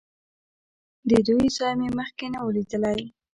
د دوی ځای مې مخکې نه و لیدلی.